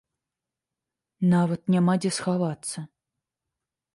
Нават няма дзе схавацца!